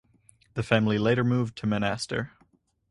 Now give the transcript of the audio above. The family later moved to Monastir.